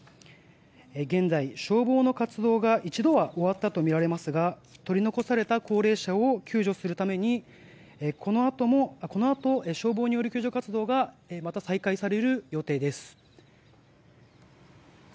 現在、消防の活動が一度は終わったとみられますが取り残された高齢者を救助するためにこのあと、消防による救助活動がまた再開される予定です。